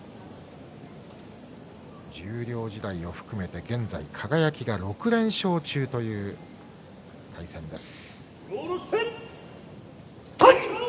十両時代を含めて現在輝が６連勝中です。